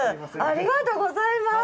ありがとうございます。